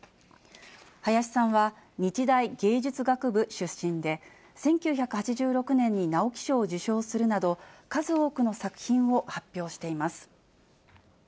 林さんは、日大芸術学部出身で、１９８６年に直木賞を受賞するなど、数多くの作品を発表しています。